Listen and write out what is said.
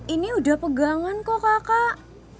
ini udah pegangan kok kakak